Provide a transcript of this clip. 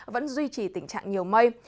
vẫn duy trì tình trạng nhiều mây